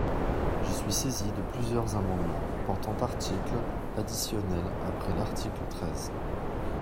Je suis saisi de plusieurs amendements portant articles additionnels après l’article treize.